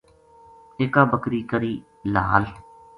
اِکا بکری کری لہال